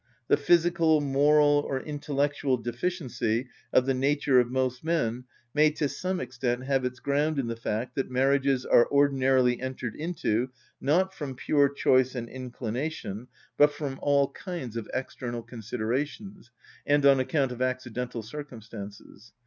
The physical, moral, or intellectual deficiency of the nature of most men may to some extent have its ground in the fact that marriages are ordinarily entered into not from pure choice and inclination, but from all kinds of external considerations, and on account of accidental circumstances.